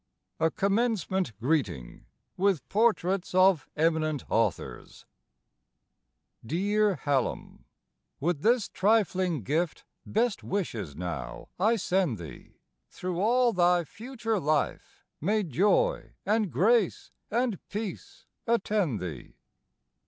A "COMMENCEMENT" GREETING With Portraits of Eminent Authors Dear Hallam, with this trifling gift Best wishes now I send thee; Through all thy future life may joy And grace and peace attend thee.